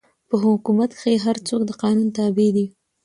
په حکومت کښي هر څوک د قانون تابع دئ.